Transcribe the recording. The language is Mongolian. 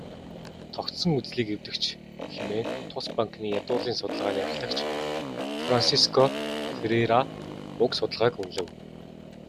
"Тогтсон үзлийг эвдэгч" хэмээн тус банкны ядуурлын судалгааны ахлагч Франсиско Ферреира уг судалгааг үнэлэв.